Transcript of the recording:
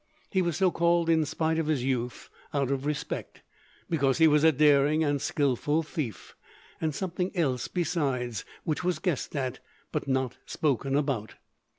He was so called in spite of his youth out of respect, because he was a daring and skilful thief, and something else besides, which was guessed at, but not spoken about.